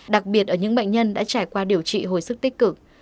đặc biệt ở những bệnh nhân đã trải qua điều trị hồi sức tích cực